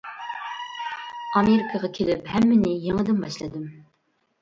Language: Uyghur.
ئامېرىكىغا كېلىپ ھەممىنى يېڭىدىن باشلىدىم.